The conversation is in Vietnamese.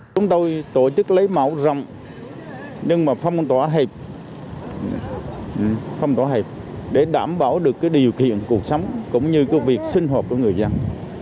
chúng tôi tổ chức lấy mẫu rộng nhưng mà phong tỏa hẹp để đảm bảo được điều kiện cuộc sống cũng như việc sinh hợp của người dân